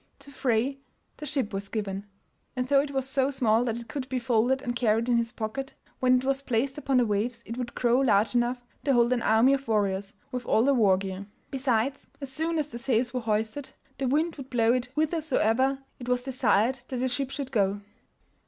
To Frey the ship was given, and though it was so small that it could be folded and carried in his pocket, when it was placed upon the waves it would grow large enough to hold an army of warriors with all their war gear; besides, as soon as the sails were hoisted, the wind would blow it whithersoever it was desired that the ship should go.